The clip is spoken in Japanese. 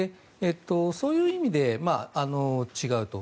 そういう意味で違うと。